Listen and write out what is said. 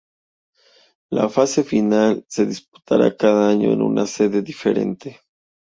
La fase final se disputaba cada año en una sede diferente.